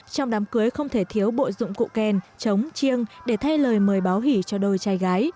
trong đám cưới không thể thiếu bộ dụng cụ kèn chống chiêng để thay lời mời báo hỉ cho đôi trai gái